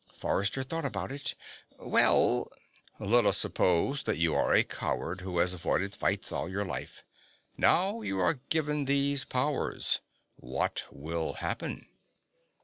Forrester thought about it. "Well " "Let us suppose that you are a coward who has avoided fights all his life. Now you are given these powers. What will happen?"